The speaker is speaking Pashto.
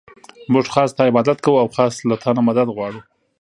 مونږ خاص ستا عبادت كوو او خاص له تا نه مدد غواړو.